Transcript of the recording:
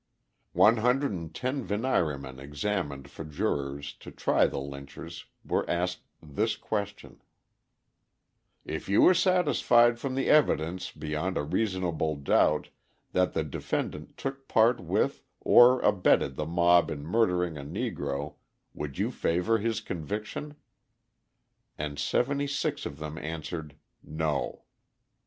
One hundred and ten veniremen examined for jurors to try the lynchers were asked this question; "If you were satisfied from the evidence beyond a reasonable doubt that the defendant took part with or abetted the mob in murdering a Negro, would you favour his conviction?" And seventy six of them answered, "No."